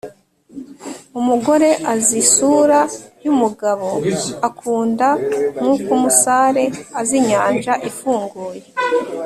“umugore azi isura y'umugabo akunda nk'uko umusare azi inyanja ifunguye